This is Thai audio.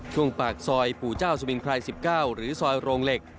ช่วงปากซอยปู่เจ้าสมิงไพร๑๙หรือซอยโรงเหล็ก